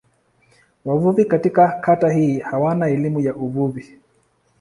Wavuvi katika kata hii hawana elimu ya uvuvi.